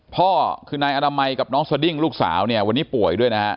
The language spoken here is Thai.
พ่อคือนายอนามัยกับน้องสดิ้งลูกสาวเนี่ยวันนี้ป่วยด้วยนะฮะ